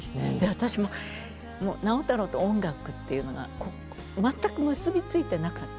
私もう直太朗と音楽っていうのが全く結び付いてなかったんですね。